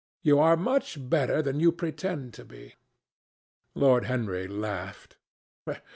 You are much better than you pretend to be." Lord Henry laughed.